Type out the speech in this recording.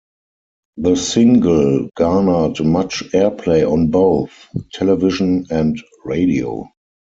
The single garnered much airplay on both television and radio.